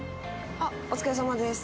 あお疲れさまです。